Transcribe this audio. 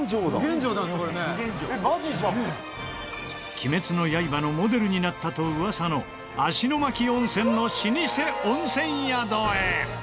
『鬼滅の刃』のモデルになったと噂の芦ノ牧温泉の老舗温泉宿へ。